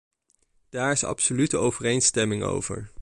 Daar is absolute overeenstemming over.